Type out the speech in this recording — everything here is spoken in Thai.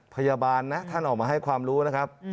พยาบาลนะท่านออกมาให้ความรู้นะครับ